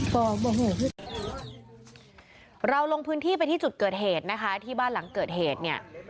ก็โมโหเราลงพื้นที่ไปที่จุดเกิดเหตุนะคะที่บ้านหลังเกิดเหตุเนี่ย